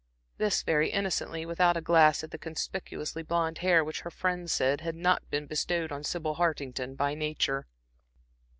This very innocently, without a glance at the conspicuously blonde hair which her friends said had not been bestowed on Sybil Hartington by nature.